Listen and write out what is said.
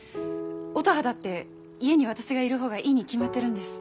乙葉だって家に私がいるほうがいいに決まってるんです。